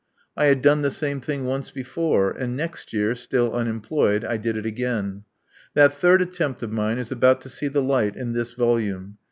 I had done the same thing once before ; and next year, still unemployed, I did it again. That third attempt of mine is about to see the light in this volume.